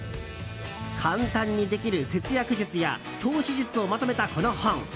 簡単にできる節約術や投資術をまとめたこの本。